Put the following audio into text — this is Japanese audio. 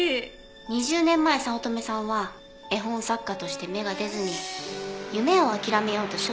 ２０年前早乙女さんは絵本作家として芽が出ずに夢を諦めようと傷心の旅に出た。